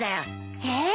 えっ！？